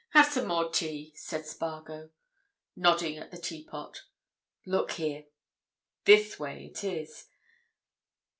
"Have some more tea," said Spargo, nodding at the teapot. "Look here—this way it is.